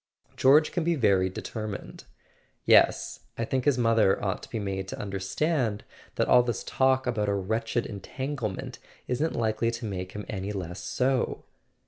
" George can be very determined." " Yes. I think his mother ought to be made to under¬ stand that all this talk about a wretched entanglement isn't likely to make him any less so."